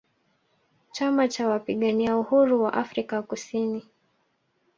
Chama Cha Wapigania Uhuru Wa Afrika Kusini